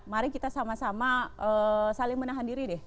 mari kita sama sama saling menahan diri deh